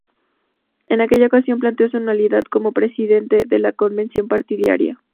En aquella ocasión, planteó su nulidad como presidente de la convención partidaria.